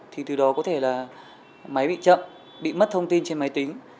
thì từ đó có thể là máy bị chậm bị mất thông tin trên máy tính